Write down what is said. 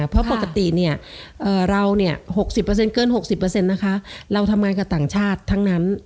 เพราะปกติเรา๖๐เกิน๖๐นะคะเราทำงานกับต่างชาติทั้งนั้น